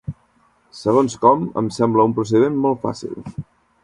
Segons com, em sembla un procediment molt fàcil.